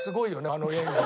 あの演技。